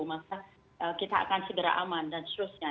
maka kita akan segera aman dan seterusnya